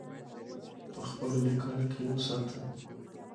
په خپلو لیکنو کې یې وساتو.